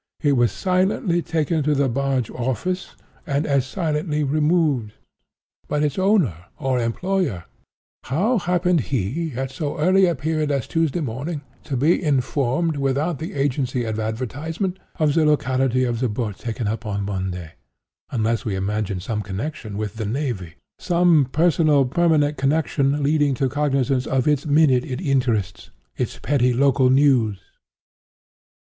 It was silently taken to the barge office, and as silently removed. But its owner or employer—how happened he, at so early a period as Tuesday morning, to be informed, without the agency of advertisement, of the locality of the boat taken up on Monday, unless we imagine some connexion with the navy—some personal permanent connexion leading to cognizance of its minute in interests—its petty local news?